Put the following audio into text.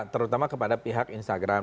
karena ini sudah ada pihak instagram